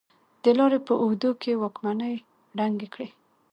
د لارې په اوږدو کې واکمنۍ ړنګې کړې.